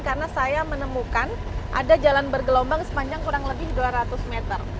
karena saya menemukan ada jalan bergelombang sepanjang kurang lebih dua ratus meter